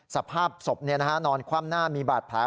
สภาพศพนอนคว่ำหน้ามีบาดแผล